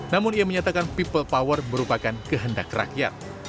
namun ia menyatakan people power merupakan kehendak rakyat